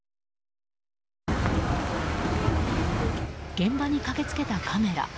現場に駆け付けたカメラ。